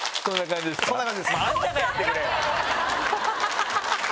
ハハハハ！